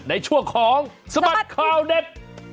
ในช่วงของสบัดข่าวเด็ก